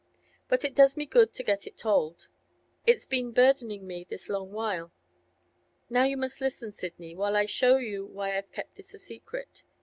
'But it does me good to get it told; it's been burdening me this long while. Now you must listen, Sidney, whilst I show you why I've kept this a secret.